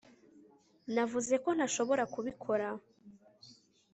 Navuze ko ntashobora kubikora